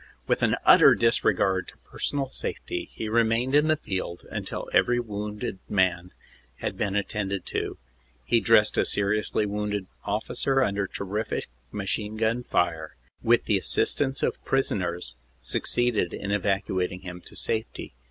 With an utter disregard to personal safety he remained in the field until every wounded man had been attended to. He dressed a seriously wounded officer under terrific machine gun fire, and with the assistance of prisoners succeeded in evacuating him to safety.